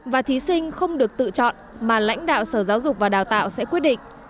và thí sinh không được tự chọn mà lãnh đạo sở giáo dục và đào tạo sẽ quyết định